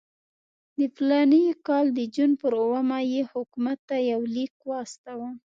د فلاني کال د جون پر اوومه یې حکومت ته یو لیک واستاوه.